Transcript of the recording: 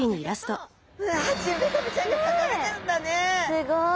すごい！